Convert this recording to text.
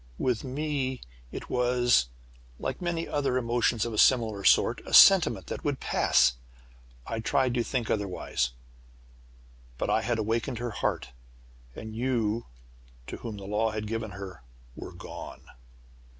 With me it was, like many other emotions of a similar sort a sentiment that would pass. I tried to think otherwise. But I had awakened her heart, and you, to whom the law had given her, were gone!